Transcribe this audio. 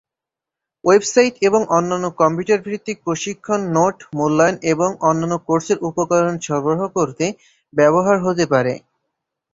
Website এবং অন্যান্য computer ভিত্তিক প্রশিক্ষণ বক্তৃতা নোট, মূল্যায়ন এবং অন্যান্য কোর্সের উপকরণ সরবরাহ করতে ব্যবহৃত হতে পারে।